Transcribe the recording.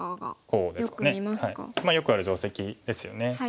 よくある定石ですよね。